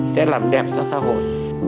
sẽ làm đẹp cho xã hội